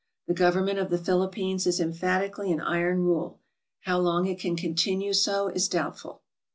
The government of the Philippines is emphati cally an iron rule ; how long it can continue so is doubtful.